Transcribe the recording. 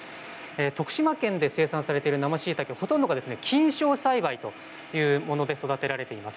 徳島県で生産されている生しいたけのほとんどは菌床栽培というもので育てられています。